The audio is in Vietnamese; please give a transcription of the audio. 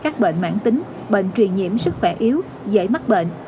các bệnh mãn tính bệnh truyền nhiễm sức khỏe yếu dễ mắc bệnh